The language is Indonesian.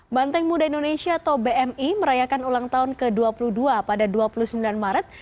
banteng muda indonesia atau bmi merayakan ulang tahun ke dua puluh dua pada dua puluh sembilan maret